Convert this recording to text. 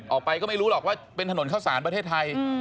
ออกไปก็ไม่รู้หรอกว่าเป็นถนนข้าวสารประเทศไทย